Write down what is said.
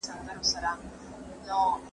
څنګه ټولنه د اقلیتونو حقونه خوندي کوي؟